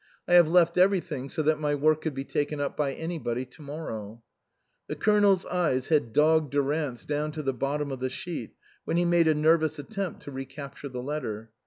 I have left everything so that my work could be taken up by anybody to morrow." The Colonel's eyes had dogged Durant's down to the bottom of the sheet, when he made a nervous attempt to recapture the letter.